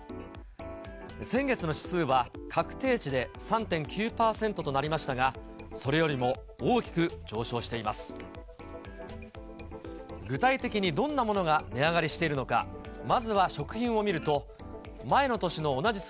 先月の指数は確定値で３．９％となりましたが、それよりも大きく上昇しています。